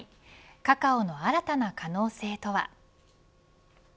カカオの新たな可能性とは。